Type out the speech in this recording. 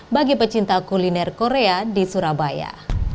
bagi pecinta kuliner korea di surabaya